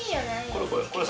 これこれ。